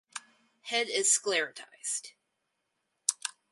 Head is sclerotized.